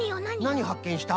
なにはっけんした？